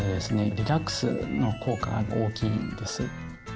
リラックスの効果が大きいです。